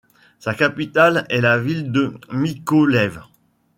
Sa capitale est la ville de Mykolaïv.